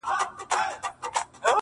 په سلا کي د وزیر هیڅ اثر نه وو!.